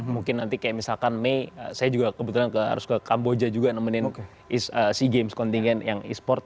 mungkin nanti kayak misalkan mei saya juga kebetulan harus ke kamboja juga nemenin sea games kontingen yang e sport